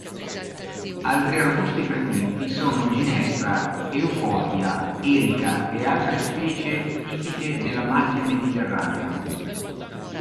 Altri arbusti frequenti sono ginestra, euforbia, erica e altre specie tipiche della macchia mediterranea.